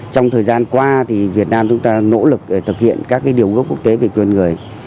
trong thời gian qua thì việt nam chúng ta nỗ lực thực hiện các điều gốc quốc tế về quyền người